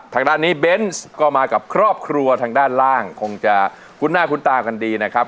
ทางด้านนี้เบนส์ก็มากับครอบครัวทางด้านล่างคงจะคุ้นหน้าคุ้นตากันดีนะครับ